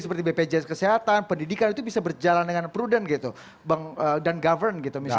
seperti bpjs kesehatan pendidikan itu bisa berjalan dengan prudent gitu dan govern gitu misalnya